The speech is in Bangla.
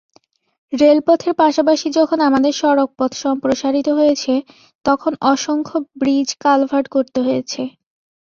রেলপথের পাশাপাশি যখন আমাদের সড়কপথ সম্প্রসারিত হয়েছে, তখন অসংখ্য ব্রিজ-কালভার্ট করতে হয়েছে।